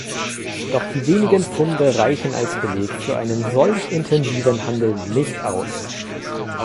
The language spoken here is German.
Doch die wenigen Funde reichen als Beleg für einen solch intensiven Handel nicht aus.